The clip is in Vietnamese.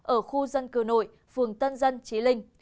ở khu dân cư nội phường tân dân trí linh